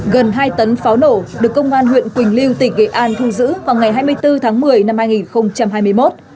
gần hai tấn pháo nổ được công an huyện quỳnh lưu tỉnh nghệ an thu giữ vào ngày hai mươi bốn tháng một mươi năm hai nghìn hai mươi một